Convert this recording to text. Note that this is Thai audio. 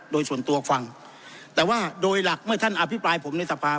โดยส่วนตัวฟังแต่ว่าโดยหลักเมื่อท่านอภิปรายผมในสภา